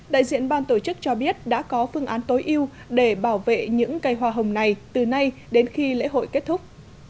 đại diện ban tổ chức cho biết đã có phương án tối ưu để bảo vệ những cây hoa hồng này từ nay đến khi lễ hội kết thúc